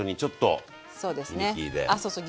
あそうそう。